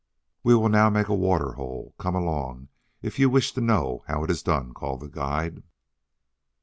"We will now make a water hole. Come along if you wish to know how it is done," called the guide.